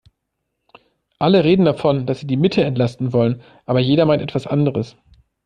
Alle reden davon, dass sie die Mitte entlasten wollen, aber jeder meint etwas anderes.